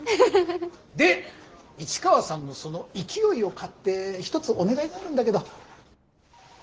で市川さんのその勢いを買って一つお願いがあるんだけど。